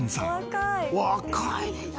「若いね」